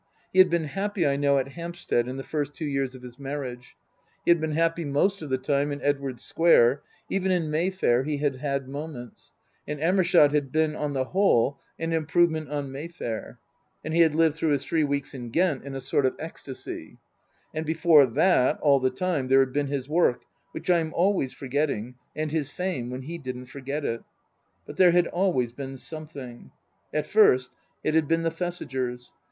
He had been happy, I know, at Hampstead in the first two years of his marriage ; he had been happy most of the time in Edwardes Square ; even in Mayfair he had had moments ; and Amershott had been, on the whole, an improvement on Mayfair. And he had lived through his three weeks in Ghent in a sort of ecstasy. And before that, all the time, there had been his work, which I am always forgetting, and his fame, when he didn't forget it. But there had always been something. At first it had been the Thesigers.